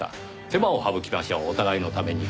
手間を省きましょうお互いのために。